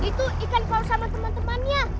itu ikan paus sama teman temannya